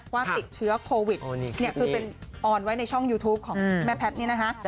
ว่าติดเชื้อโควิดเนี่ยคือเป็นออนไว้ในช่องยูทูปของแม่แพทย์เนี่ยนะคะ